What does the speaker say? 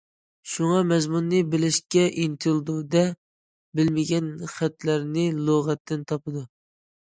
شۇڭا، مەزمۇننى بىلىشكە ئىنتىلىدۇ- دە، بىلمىگەن خەتلەرنى لۇغەتتىن تاپىدۇ.